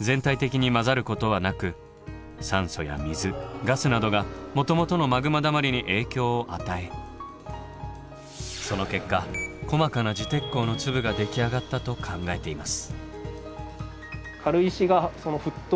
全体的に混ざることはなく酸素や水ガスなどがもともとのマグマだまりに影響を与えその結果細かな磁鉄鉱の粒ができ上がったと考えています。